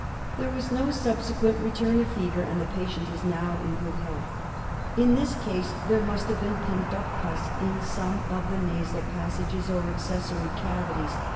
There was na subsequent return of fever, and the patient is now in good health." In this case there must have been pent up pus in some of the nasal passages or accessory cavities.